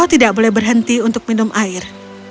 kau tidak boleh berhenti untuk minum air